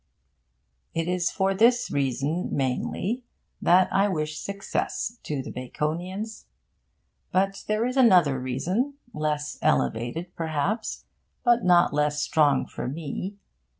It is for this reason, mainly, that I wish success to the Baconians. But there is another reason, less elevated perhaps, but not less strong for me.